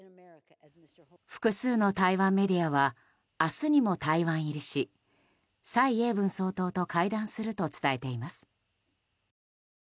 複数の台湾メディアは明日にも台湾入りし蔡英文総統と会談すると伝えています。